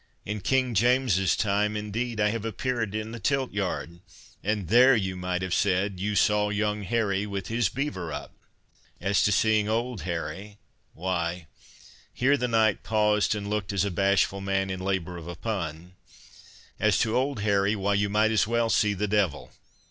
"In King James's time, indeed, I have appeared in the tilt yard, and there you might have said— 'You saw young Harry with his beaver up.' "As to seeing old Harry, why"—Here the knight paused, and looked as a bashful man in labour of a pun—"As to old Harry—why, you might as well see the devil.